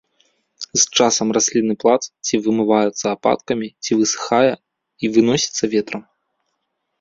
З часам раслінны пласт ці вымываецца ападкамі, ці высыхае і выносіцца ветрам.